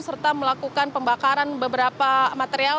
serta melakukan pembakaran beberapa material